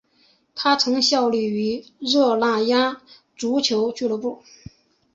他曾效力于热那亚足球俱乐部。